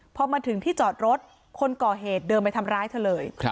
พอมาถึงที่จอดรถคนก่อเหตุเดินไปทำร้ายเธอเลย